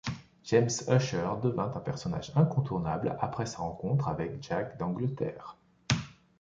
James Ussher devint un personnage incontournable après sa rencontre avec Jacques d'Angleterre.